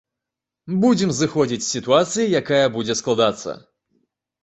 Будзем зыходзіць з сітуацыі, якая будзе складацца.